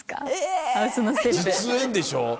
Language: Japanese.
実演でしょ。